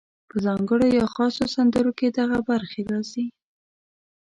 په ځانګړو یا خاصو سندرو کې دغه برخې راځي: